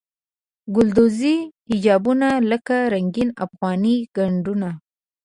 ګلدوزي حجابونه لکه رنګین افغاني ګنډونه.